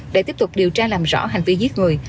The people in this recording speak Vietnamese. để tiếp tục điều tra làm rõ hành vi giết người